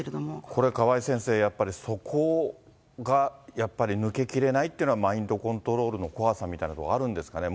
これ、川井先生、やっぱりそこがやっぱり抜けきれないってのは、マインドコントロールの怖さみたいなところがあるんですかね。